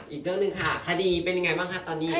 อีกเรื่องหนึ่งค่ะคดีเป็นยังไงบ้างคะตอนนี้